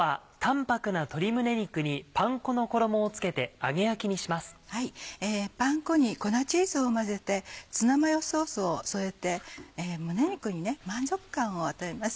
パン粉に粉チーズを混ぜてツナマヨソースを添えて胸肉に満足感を与えます。